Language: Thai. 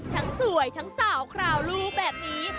ทั้งสวยทั้งสาวคราวรู้แบบนี้